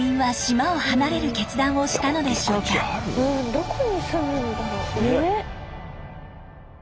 どこに住むんだろう？ね。